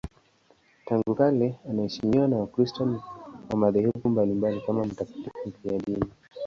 Tangu kale anaheshimiwa na Wakristo wa madhehebu mbalimbali kama mtakatifu mfiadini.